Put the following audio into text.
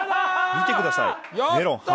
見てください。